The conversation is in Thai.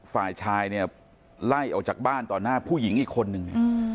ฝ่ายชายเนี่ยไล่ออกจากบ้านต่อหน้าผู้หญิงอีกคนนึง